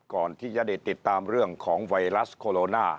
ก่อนที่จะได้ติดตามเรื่องของไวรัสโคโรนา